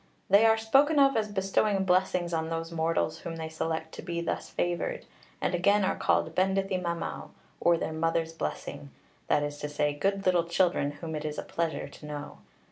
They are spoken of as bestowing blessings on those mortals whom they select to be thus favoured; and again are called Bendith y Mamau, or their mother's blessing, that is to say, good little children whom it is a pleasure to know.